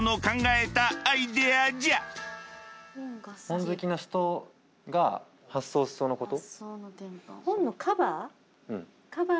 本好きな人が発想しそうなこと。